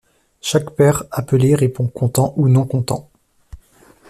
Chaque pair appelé répond content ou non content.